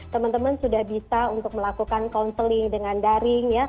teman teman sudah bisa untuk melakukan counseling dengan daring